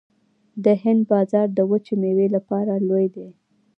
د هند بازار د وچې میوې لپاره لوی دی